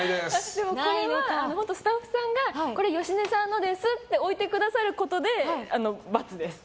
でも、これはスタッフさんが芳根さんのですって置いてくださることで×です。